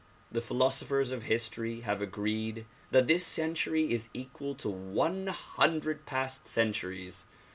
The philosophers of history have agreed that this century is equal to one hundred past centuries.